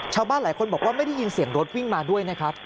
ชาวบ้านหลายคนบอกว่าไม่ได้ยินเสียงรถวิ่งมาด้วยนะครับ